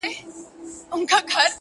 داده غاړي تعويزونه زما بدن خوري.